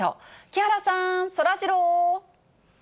木原さん、そらジロー。